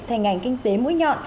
thành ảnh kinh tế mũi nhọn